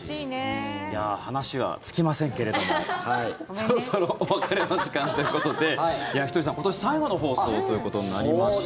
そろそろお別れの時間ということでひとりさん、今年最後の放送ということになりました。